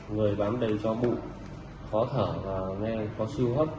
người bán đầy cho bụng khó thở và nghe có siêu hấp